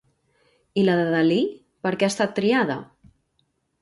I la de Dalí, per què ha estat triada?